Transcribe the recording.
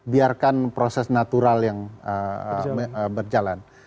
biarkan proses natural yang berjalan